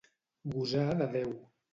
Gosar de Déu.